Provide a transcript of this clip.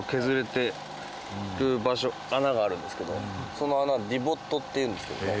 その穴ディボットっていうんですけども。